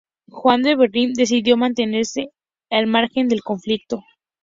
Juan de Ibelín decidió mantenerse al margen del conflicto.